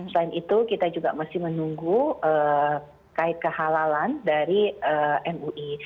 selain itu kita juga masih menunggu kait kehalalan dari mui